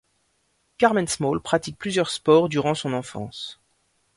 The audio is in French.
Carmen Small pratique plusieurs sports durant son enfance.